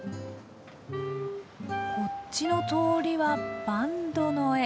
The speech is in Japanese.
こっちの通りはバンドの絵。